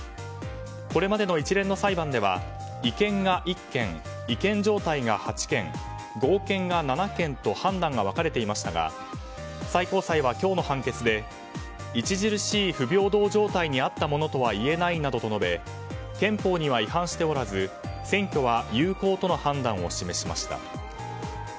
これまでの一連の裁判では違憲が１件違憲状態が８件、合憲が７件と判断が分かれていましたが最高裁は今日の判決で著しい不平等状態にあったものとはいえないなどと述べ憲法には違反しておらず選挙は有効との判断を示しました。